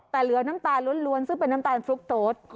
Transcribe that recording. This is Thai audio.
แต่เหลือน้ำตาลล้วนซึ่งเป็นน้ำตาลฟลุกโต๊ด